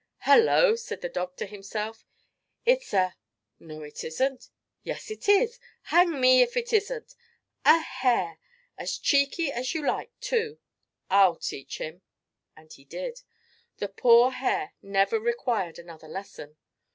"Hullo!" said the dog to himself; "it's a no, it isn't; yes, it is; hang me, if it isn't a hare as cheeky as you like too. I'll teach him." And he did. The poor hare never required another lesson.